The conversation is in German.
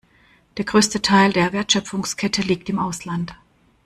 Der größte Teil der Wertschöpfungskette liegt im Ausland.